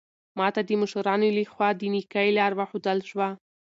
ما ته د مشرانو لخوا د نېکۍ لار وښودل شوه.